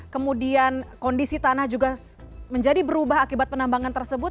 kemudian kondisi tanah juga menjadi berubah akibat penambangan tersebut